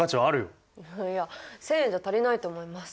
いやいや１，０００円じゃ足りないと思います。